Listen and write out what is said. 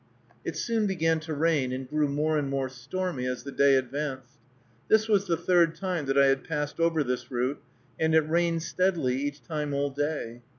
It soon began to rain, and grew more and more stormy as the day advanced. This was the third time that I had passed over this route, and it rained steadily each time all day.